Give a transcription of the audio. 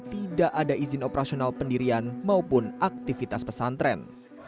tidak ada izin operasional pendirian maupun aktivitas pesantren